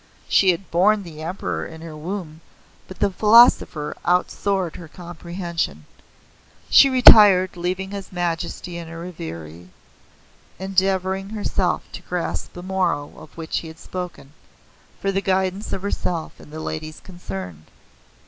She had borne the Emperor in her womb, but the philosopher outsoared her comprehension. She retired, leaving his Majesty in a reverie, endeavoring herself to grasp the moral of which he had spoken, for the guidance of herself and the ladies concerned.